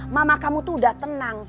mama kamu tuh udah tenang